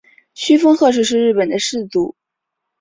蜂须贺氏是日本的氏族。